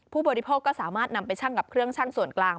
ผู้บริโภคก็สามารถนำไปชั่งกับเครื่องชั่งส่วนกลาง